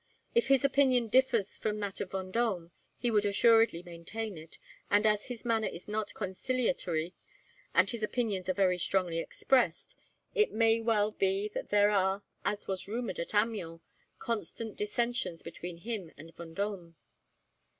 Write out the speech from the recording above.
If his opinion differs from that of Vendome, he would assuredly maintain it; and as his manner is not conciliatory, and his opinions are very strongly expressed, it may well be that there are, as was rumoured at Amiens, constant dissensions between him and Vendome."